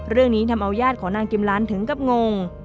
เรื่องนี้ทำเอายาดของนางกิมลันถึงกับงง